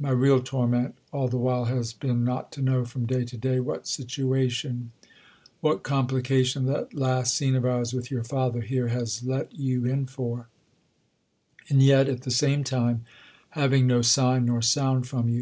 My real torment, all the while, has been not to know, from day to day, what situation, what complication that last scene of ours with your father here has let you in for; and yet at the same time—having no sign nor sound from you!